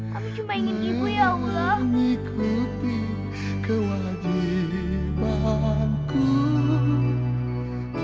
kami cuma ingin ibu ya allah